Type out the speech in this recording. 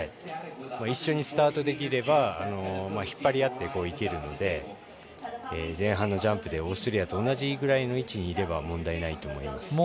一緒にスタートできれば引っ張り合っていけるので前半のジャンプでオーストリアと同じぐらいの位置にいれば問題ないと思います。